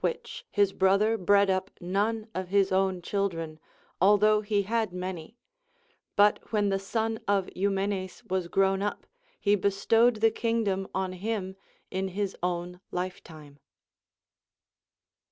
207 which, his brother bred up none of his own children, although he had many ; but ΛνΙιοη the son of Eumenes Avas groAvn up, he bestowed the kingdom on him in his own lifetime.